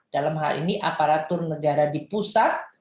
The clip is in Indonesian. dalam hal ini aparatur negara di pusat